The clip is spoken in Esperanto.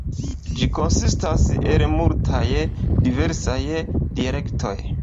Ĝi konsistas el multaj diversaj dialektoj.